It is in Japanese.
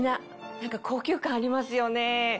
何か高級感ありますよね。